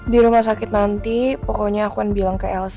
di rumah sakit nanti pokoknya aku akan bilang ke lc